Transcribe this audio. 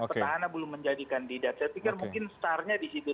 petahana belum menjadi kandidat saya pikir mungkin starnya di situ